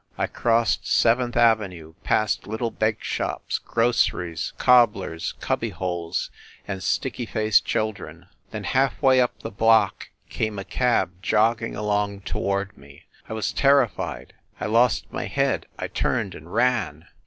... I crossed Seventh Avenue, past little bake shops, groceries, cobblers cubby holes and sticky faced children. Then, half way up the block, came a cab jogging along toward me. I was terrified ; I lost my head I turned and ran.